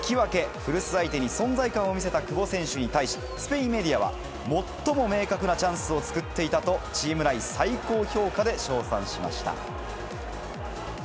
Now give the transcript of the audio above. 古巣相手に存在感を見せた久保選手に対し、スペインメディアは、最も明確なチャンスを作っていたと、チーム内最高評価で称賛しました。